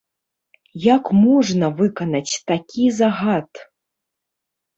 Як можна выканаць такі загад?